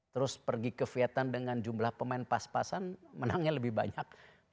terus pergi ke vietnam dengan jumlah pemain pas pasan menangnya lebih banyak